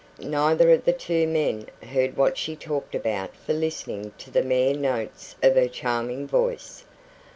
Neither of the two men heard what she talked about for listening to the mere notes of her charming voice.